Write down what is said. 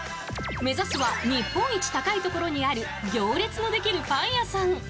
目指すは日本一高いところにある行列のできるパン屋さん。